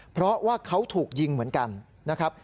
เพราะว่าเขาถูกยิงเหมือนกันนะครับ